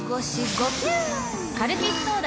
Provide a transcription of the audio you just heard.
カルピスソーダ！